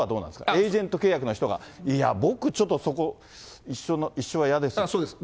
エージェント契約の人が、いや、僕、ちょっとそこ、一緒は嫌ですそうです、